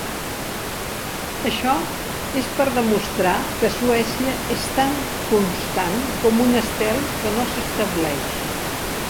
Això és per demostrar que Suècia és tan constant com un estel que no s'estableix.